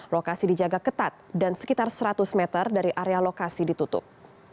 lokasi dijaga ketat dan sekitar seratus meter dari area lokasi ditutup